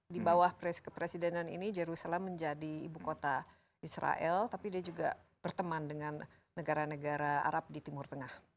di bawah kepresidenan ini jerusalem menjadi ibu kota israel tapi dia juga berteman dengan negara negara arab di timur tengah